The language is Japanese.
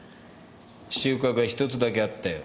収穫は１つだけあったよ。